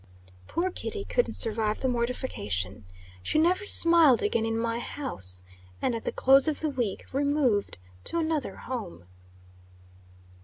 Poor Kitty couldn't survive the mortification. She never smiled again in my house; and, at the close of the week, removed to another home.